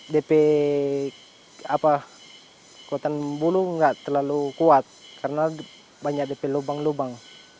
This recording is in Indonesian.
dp kekuatan bulu nggak terlalu kuat karena banyak dp lubang lubang